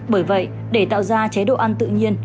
bởi vậy để tạo ra chế độ ăn tự nhiên